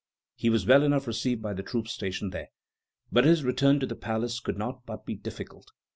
He was well enough received by the troops stationed there. But his return to the palace could not but be difficult.